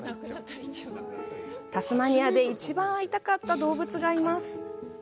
タスマニアで一番会いたかった動物がいます。